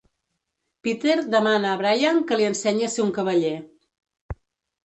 Peter demana a Brian que li ensenyi a ser un cavaller.